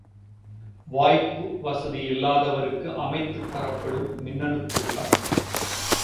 வாய்ப்பு வசதி இல்லாதவருக்கு அமைத்துத் தரப்படும் மின்னணுக்கூட்டம்.